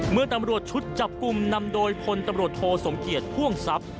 เมื่อตำรวจชุดจับกลุ่มนำโดยพลตำรวจโทสมเกียจพ่วงทรัพย์